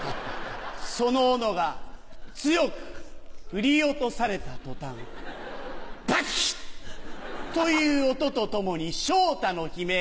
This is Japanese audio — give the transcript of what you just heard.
そのオノが強く振り落とされた途端バキっ！という音とともに昇太の悲鳴。